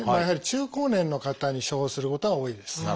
やはり中高年の方に処方することが多いです。